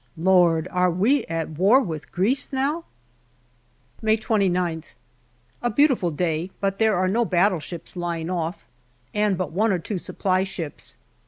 Lord ! are we at war with Greece now ? May 29th. A beautiful day, but there are no battleships lying off, and but one or two Supply ships.